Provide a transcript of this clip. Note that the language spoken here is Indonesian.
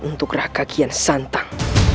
untuk raka kuki yang santang